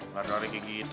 baru baru kayak gitu